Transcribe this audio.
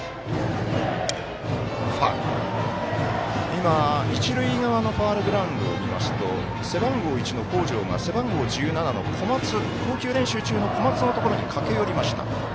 今、一塁側のファウルグラウンドを見ますと背番号１の北條が背番号１７投球練習場中の小松のところに駆け寄りました。